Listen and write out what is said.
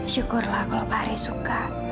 syukurlah kalau pak ari suka